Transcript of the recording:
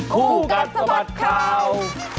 ภูกัตรสบัติข่าว